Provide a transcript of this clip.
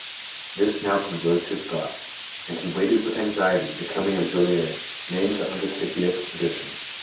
This now engrossed his thoughts, and he waited with anxi ety the coming of Jolliet, named to undertake the expedition.